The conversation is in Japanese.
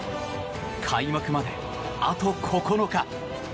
開幕まで、あと９日。